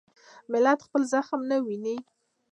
ملت خپل زخم نه ویني.